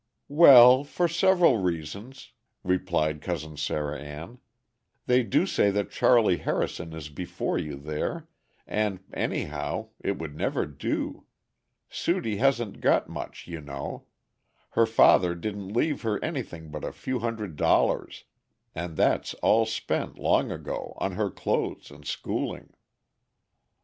"Well, for several reasons," replied Cousin Sarah Ann: "they do say that Charley Harrison is before you there, and anyhow, it would never do. Sudie hasn't got much, you know. Her father didn't leave her anything but a few hundred dollars, and that's all spent long ago, on her clothes and schooling."